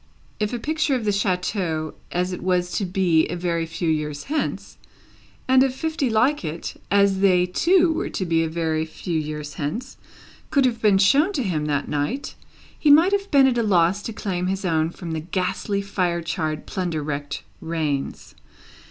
If a picture of the chateau as it was to be a very few years hence, and of fifty like it as they too were to be a very few years hence, could have been shown to him that night, he might have been at a loss to claim his own from the ghastly, fire charred, plunder wrecked rains.